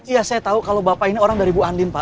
iya saya tahu kalau bapak ini orang dari bu andin pak